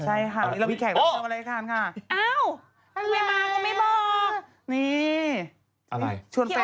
ใช่ค่ะเรามีแขกรับเชิญมารายการค่ะ